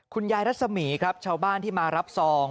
รัศมีครับชาวบ้านที่มารับซอง